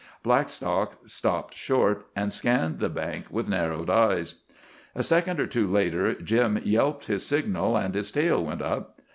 Blackstock stopped short and scanned the bank with narrowed eyes. A second or two later, Jim yelped his signal, and his tail went up.